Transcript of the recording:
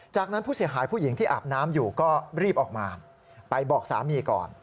จากนั้นผู้เสียหายผู้หญิงที่อาบน้ำอยู่ก็รีบออกมาไปบอกสามีก่อน